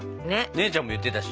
姉ちゃんも言ってたし。